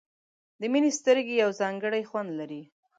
د مینې سترګې یو ځانګړی خوند لري.